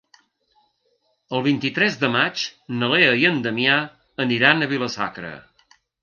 El vint-i-tres de maig na Lea i en Damià aniran a Vila-sacra.